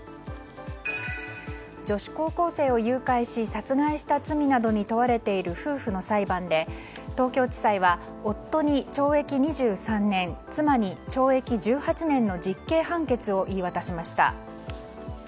女子高校生を誘拐し殺害した罪などに問われている夫婦の裁判で東京地裁は夫に懲役２３年妻に懲役１８年の実刑判決を言い渡しました。